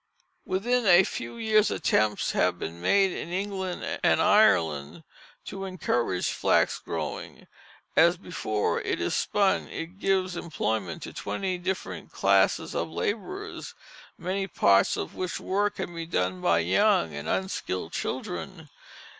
Within a few years attempts have been made in England and Ireland to encourage flax growing, as before it is spun it gives employment to twenty different classes of laborers, many parts of which work can be done by young and unskilled children.